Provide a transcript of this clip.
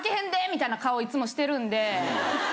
みたいな顔いつもしてるんで。